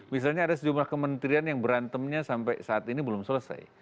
misalnya ada sejumlah kementerian yang berantemnya sampai saat ini belum selesai